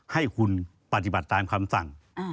ให้คุณปฏิบัติตามคำสั่ง